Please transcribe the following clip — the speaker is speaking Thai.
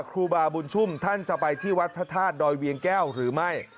ครูบาบุญชุ่มท่านจะไปที่วัดพระธาตุดอยเวียงแก้วหรือไม่